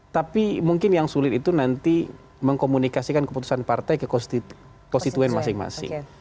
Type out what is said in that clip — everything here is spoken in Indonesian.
tapi mungkin yang sulit itu nanti mengkomunikasikan keputusan partai ke konstituen masing masing